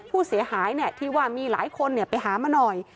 ผู้เสียหายที่ว่ามีหลายคนไปหามาหน่อย